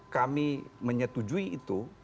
kami menyetujui itu